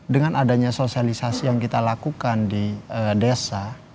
dengan adanya sosialisasi yang kita lakukan di desa